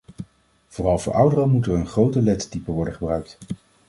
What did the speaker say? Vooral voor ouderen moet er een groter lettertype worden gebruikt.